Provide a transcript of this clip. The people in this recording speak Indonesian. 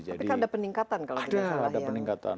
tapi kan ada peningkatan kalau tidak salah ya